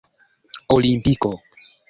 olimpiko